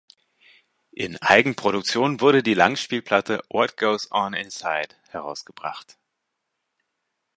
In Eigenproduktion wurde die Langspielplatte "What Goes On Inside" herausgebracht.